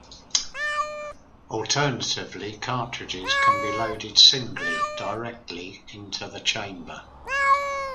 Alternatively cartridges can be loaded singly directly into the chamber.